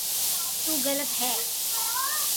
تو غلط ھي